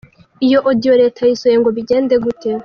Iyo audio Leta yayisohoye ngo bigende gute?